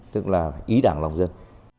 tức là ý đảng lòng dân